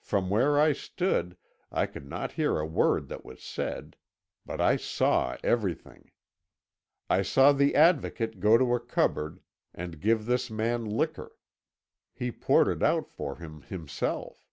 From where I stood I could not hear a word that was said, but I saw everything. I saw the Advocate go to a cupboard, and give this man liquor; he poured it out for him himself.